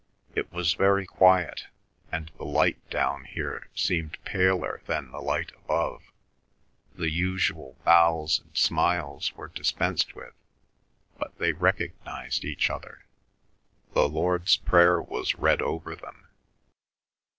It was very quiet, and the light down here seemed paler than the light above. The usual bows and smiles were dispensed with, but they recognised each other. The Lord's Prayer was read over them.